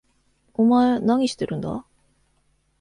お前何してるんだ？